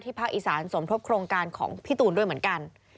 ภาคอีสานสมทบโครงการของพี่ตูนด้วยเหมือนกัน